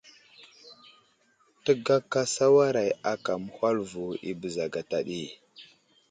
Təgaka sawaray aka məhwal vo i bəza gata ɗi.